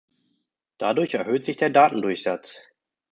Dadurch erhöht sich der Datendurchsatz.